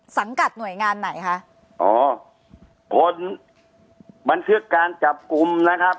สังกัดหน่วยงานไหนคะอ๋อกลบันทึกการจับกลุ่มนะครับ